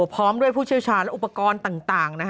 พร้อมด้วยผู้เชี่ยวชาญและอุปกรณ์ต่าง